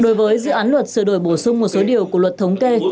đối với dự án luật sửa đổi bổ sung một số điều của luật thống kê